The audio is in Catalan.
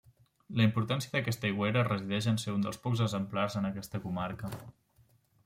La importància d'aquesta aigüera resideix en ser un dels pocs exemplars en aquesta comarca.